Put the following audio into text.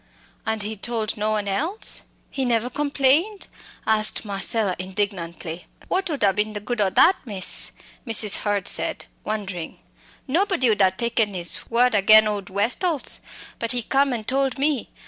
"And he told no one else? he never complained?" asked Marcella, indignantly. "What ud ha been the good o' that, miss?" Mrs. Hurd said, wondering. "Nobody ud ha taken his word agen old Westall's. But he come and told me.